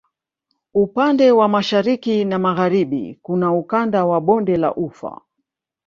Upande wa Mashariki na Magharibi kuna Ukanda wa bonde la Ufa